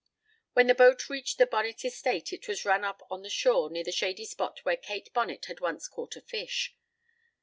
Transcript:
When the boat reached the Bonnet estate it was run up on the shore near the shady spot where Kate Bonnet had once caught a fish.